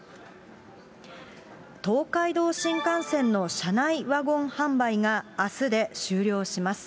東海道新幹線の車内ワゴン販売が、あすで終了します。